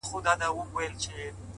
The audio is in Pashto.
د دوى دا هيله ده چي.